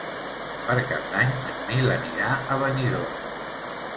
Per Cap d'Any en Nil anirà a Benidorm.